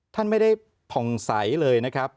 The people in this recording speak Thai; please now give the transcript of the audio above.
ท่านไม่ได้ผ่องใสเลยนะครับ